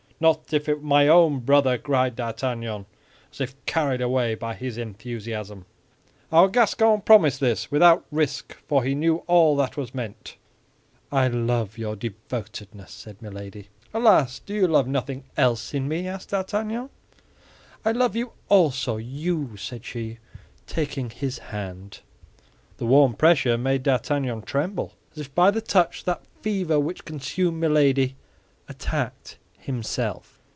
"Not if it were my own brother!" cried D'Artagnan, as if carried away by his enthusiasm. Our Gascon promised this without risk, for he knew all that was meant. "I love your devotedness," said Milady. "Alas, do you love nothing else in me?" asked D'Artagnan. "I love you also, you!" said she, taking his hand. The warm pressure made D'Artagnan tremble, as if by the touch that fever which consumed Milady attacked himself.